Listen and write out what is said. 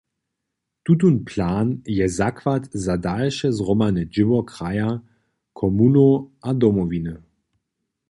Tutón plan je zakład za dalše zhromadne dźěło kraja, komunow a Domowiny.